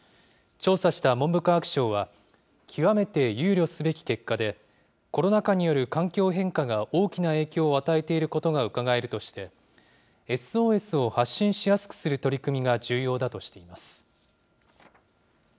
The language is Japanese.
調査した文部科学省は、極めて憂慮すべき結果で、コロナ禍による環境変化が大きな影響を与えていることがうかがえるとして、ＳＯＳを発信しやすくする取り組みが重要だとしています。